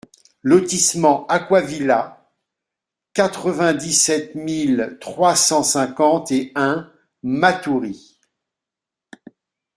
Lotissement Aquavilla, quatre-vingt-dix-sept mille trois cent cinquante et un Matoury